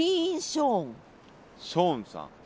ショーンさん。